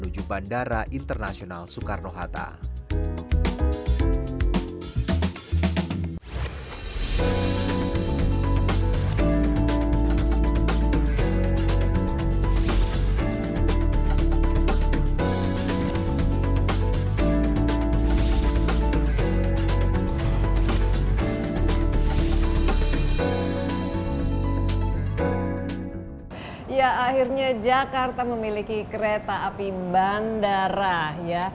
ya akhirnya jakarta memiliki kereta api bandara ya